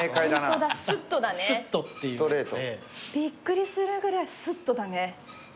びっくりするぐらいすっとだね。